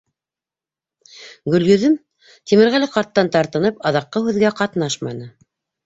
Гөлйөҙөм, Тимерғәле ҡарттан тартынып, аҙаҡҡы һүҙгә ҡатнашманы.